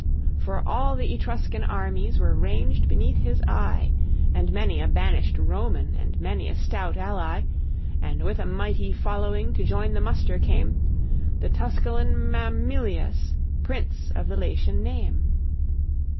For all the Etruscan armies Were ranged beneath his eye, And many a banished Roman, And many a stout ally; And with a mighty following To join the muster came The Tusculan Mamilius, Prince of the Latian name.